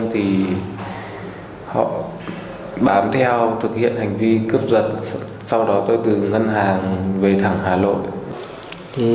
thì họ bám theo thực hiện hành vi cướp giật sau đó tôi từ ngân hàng về thẳng hà nội